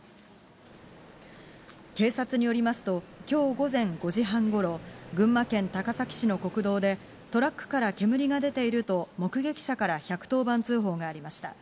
警察によりますと、今日午前５時半頃、群馬県高崎市の国道で、トラックから煙が出ていると、目撃者から１１０番通報がありました。